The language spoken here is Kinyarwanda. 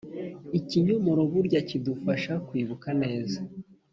Ikinyomoro burya kidufasha kwibuka neza